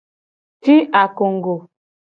Ci akongugo.